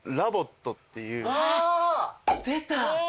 出た。